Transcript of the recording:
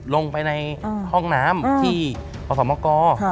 ลงไปในห้องน้ำที่ประสอบมะกอ